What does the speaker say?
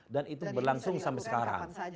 dan itu berlangsung sampai sekarang